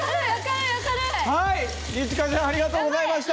はい二千翔ちゃんありがとうございました。